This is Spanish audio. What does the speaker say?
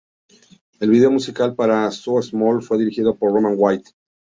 El video musical para "So Small" fue dirigido por Roman White.